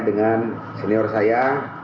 dengan senior saya